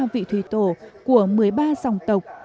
một mươi ba vị thủy tổ của một mươi ba dòng tộc